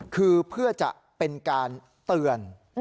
คือเพื่อจะเป็นการเตือน